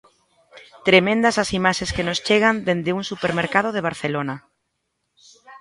Tremendas as imaxes que nos chegan dende un supermercado de Barcelona.